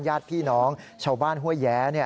ญาติพี่น้องชาวบ้านห้วยแย้